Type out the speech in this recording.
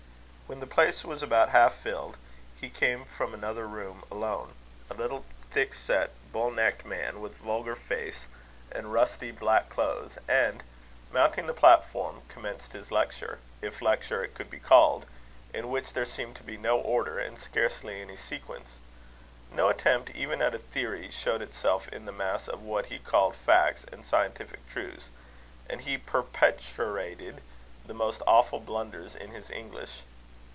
When the place was about half filled, he came from another room alone a little, thick set, bull necked man, with vulgar face and rusty black clothes; and, mounting the platform, commenced his lecture; if lecture it could be called, in which there seemed to be no order, and scarcely any sequence. No attempt even at a theory, showed itself in the mass of what he called facts and scientific truths; and he perpeturated the most awful blunders in his English.